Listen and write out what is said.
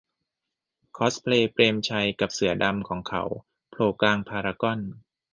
คอสเพลย์ "เปรมชัยกับเสือดำของเขา" โผล่กลางพารากอน